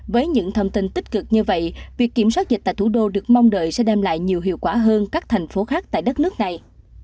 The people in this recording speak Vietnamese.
với những thông tin tích cực như vậy việc kiểm soát dịch tại thủ đô được mong đợi sẽ đem lại nhiều hiệu quả hơn các thành phố khác tại đất nước này